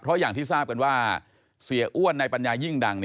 เพราะอย่างที่ทราบกันว่าเสียอ้วนในปัญญายิ่งดัง